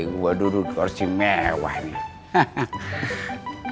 gua duduk di kursi mewah nih